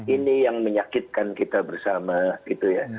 ini yang menyakitkan kita bersama gitu ya